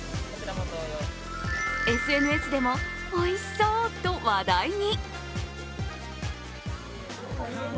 ＳＮＳでも、おいしそうと話題に。